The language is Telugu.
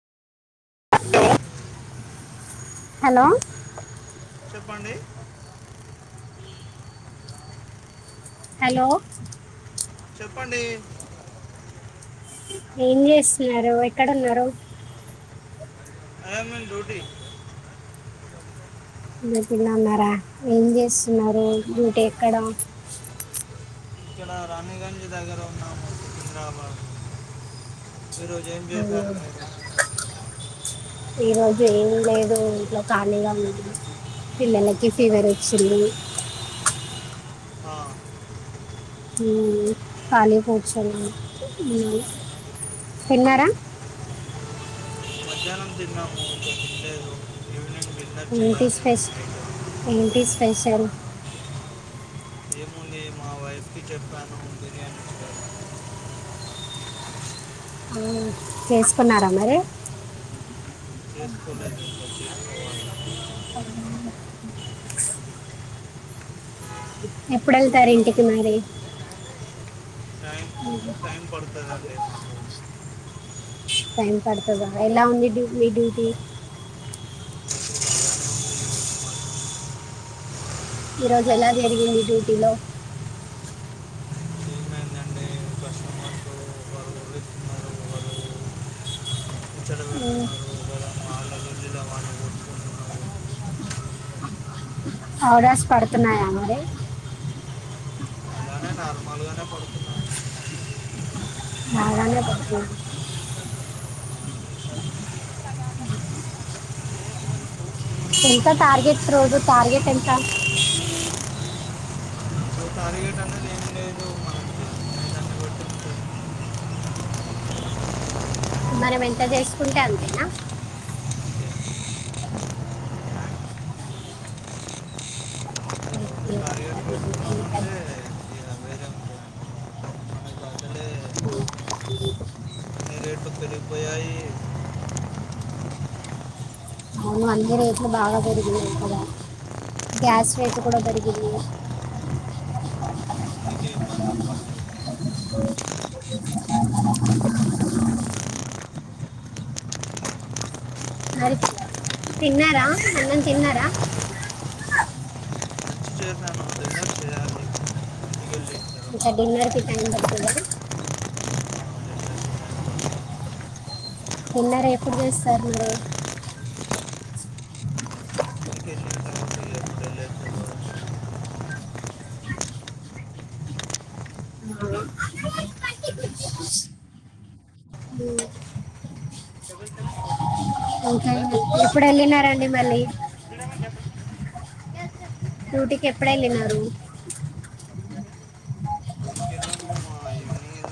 హలో. చెప్పండి. హలో. చెప్పండి. ఏం చేస్తున్నారు ఎక్కడ ఉన్నారు. ఐ యామ్ ఏ గోటి. మీ పిల్లల ఉన్నారా ఏం చేస్తున్నారు డ్యూటీ ఎక్కడ ఇక్కడ రాణిగంజ్ దగ్గర ఉన్నాము సికింద్రాబాద్ ఈరోజు ఏం అవునా. చేశారు మీరు ఈరోజు ఏం లేదు ఇంట్లో ఖాళీగా ఉంటి పిల్లలకి ఫీవర్ ఒచ్చింది. ఆహ్. ఉమ్ ఖాళీ కూర్చున్నాను ఆహ్. తిన్నారా. మధ్యాహ్నం తిన్నాము ఇంకా తినలేదు ఈవినింగ్ డిన్నర్ ఏంటి చేయాలి స్పెస్ నైట్ ఏంటి స్పెషల్ ఏముంది మా వైఫ్ కి చెప్పాను బిర్యానీ చె అవునా చేస్కున్నారా మరి చేసుకోలేదు ఎంకా చేసుకోవాలి ఇంకా ఎప్పుడెళ్తారు డ్యూటీలో ఇంటికి ఉన్నాను మరి టైం టైం పడుతదండి టైం పడ్తదా ఎలా ఉంది డ్యూ నీ డ్యూటీ ఈరోజు ఎలా జరిగింది డ్యూటీ లో ఏమైందండి కస్టమర్స్ ఒకరు ఉరుస్తున్నారు ఒకరు ఉహ్ కూర్చోబెడుతున్నారు పొలం వాళ్ళ వీళ్ళు వాళ్ళు కొట్టుకుంటున్నాము ఔరాస్ పడుతున్నాయా మరి అలానే నార్మల్గానే పడుతున్నాము బాగానే పతు ఎంత టార్గెట్ రోజు టార్గెట్ ఎంత సో టార్గెట్ అనేది ఏం లేదు మనం దాన్ని బట్టి ఉంటుంది. మనం ఎంత జేసుకుంటే అంతేనా రోజు ఓకే, టార్గెట్ ఓకే. పెట్టుకున్నామంటే ఇక వేరే ఉంటుంది మనకి అసలే అన్ని రేట్లు పెరిగిపోయాయి అవును అన్ని రేట్లు బాగా పెరిగినయ్ ఇక్కడ గ్యాస్ రేట్ కూడా పెరిగింది నీకే ఇబ్బంది ఇబ్బంది మరి నేను తిన్నారా అన్నం తిన్నారా మంచి చేశాను డిన్నర్ చేయాలి ఇంటికి వెళ్ళి ఇస్తాను ఇంకా డిన్నర్ కి టైమ్ పడుతుందా డిన్నర్ ఎప్పుడు చేస్తారు మరి ఇంటికి వెళ్ళిన తర్వాత ఎప్పుడు వెళ్ళేసి డబల్ సెవెన్ ఫోర్ సెవెన్ ఇంకా డబల్ ఎప్పుడు సెవెన్ ఫోర్ వెళ్ళినారండి ఫైవ్ మళ్ళీ డ్యూటీకి ఎప్పుడెళ్ళినారు ఇంకెళ్ళాము మా ఇన్ని